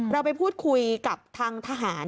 เราไปพูดคุยกับทางทหาร